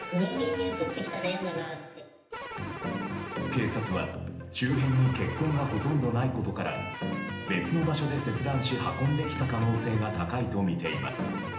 警察は、周辺に血痕がほとんどないことから別の場所で切断し運んできた可能性が高いとみています。